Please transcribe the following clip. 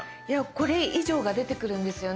これ以上が出てくるんですよね？